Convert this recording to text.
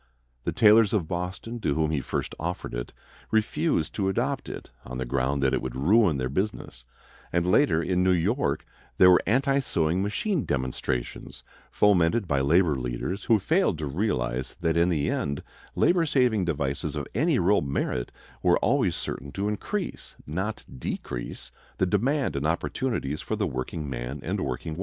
The tailors of Boston, to whom he first offered it, refused to adopt it, on the ground that it would ruin their business; and later, in New York, there were anti sewing machine demonstrations, fomented by labor leaders, who failed to realize that in the end labor saving devices of any real merit were always certain to increase, not decrease, the demand and opportunities for the workingman and workingwoman.